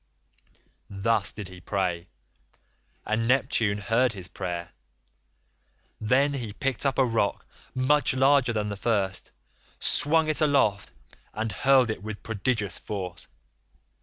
'82 "Thus did he pray, and Neptune heard his prayer. Then he picked up a rock much larger than the first, swung it aloft and hurled it with prodigious force.